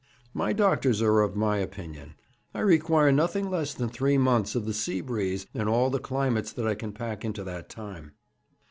'My doctors are of my opinion. I require nothing less than three months of the sea breeze, and all the climates that I can pack into that time.'